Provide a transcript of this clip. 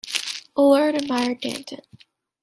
Aulard admired Danton.